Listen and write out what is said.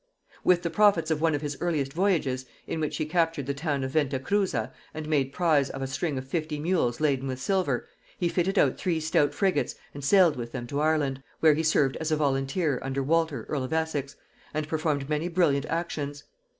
With the profits of one of his earliest voyages, in which he captured the town of Venta Cruz and made prize of a string of fifty mules laden with silver, he fitted out three stout frigates and sailed with them to Ireland, where he served as a volunteer under Walter earl of Essex, and performed many brilliant actions.